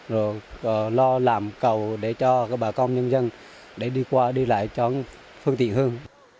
rồi lo làm cầu để cho các bà công nhân dân đi qua đi lại cho phương thị hơn